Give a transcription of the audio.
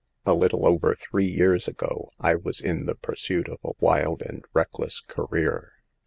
A little over three years ago, I was in the pursuit of a wild and reckless career.